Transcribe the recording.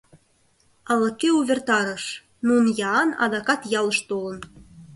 Ала-кӧ увертарыш: Нунн-Яан адак ялыш толын.